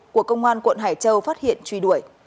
của công an quận hải châu phát hiện truy đuổi